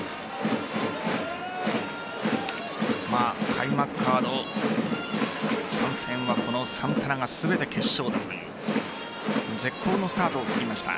開幕カード３戦はサンタナが全て決勝打という絶好のスタートを切りました。